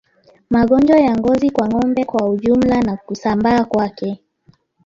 Magonjwa ya ngozi kwa ngombe kwa ujumla na kusambaa kwake